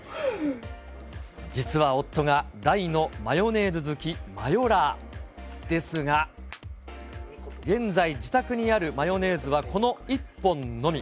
実は夫が大のマヨネーズ好き、マヨラーですが、現在、自宅にあるマヨネーズは、この１本のみ。